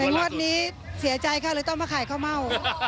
รสนี้รสนี้เสียใจเขาเลยต้องมาขายข้าวเหมา